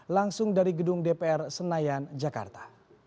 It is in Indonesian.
langsung dari gedung dpr senayan jakarta